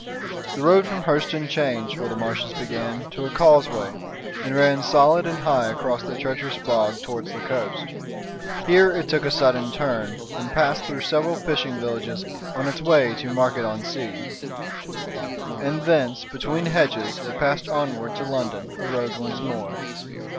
The road from Hurseton changed where the marshes began to a causeway and ran solid and high across the treacherous bog towards the coast. Here it took a sudden turn, and passed through several fishing villages on its way to Market on Sea. And thence between hedges it passed onward to London, a road once more.